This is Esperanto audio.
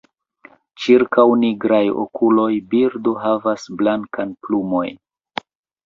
Ĉirkaŭ nigraj okuloj birdo havas blankan plumojn.